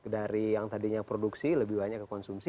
dari yang tadinya produksi lebih banyak ke konsumsi